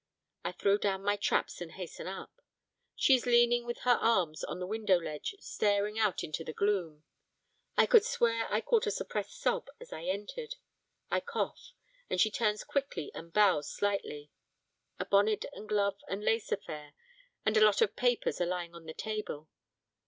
I throw down my traps and hasten up. She is leaning with her arms on the window ledge staring out into the gloom. I could swear I caught a suppressed sob as I entered. I cough, and she turns quickly and bows slightly. A bonnet and gloves and lace affair and a lot of papers are lying on the table.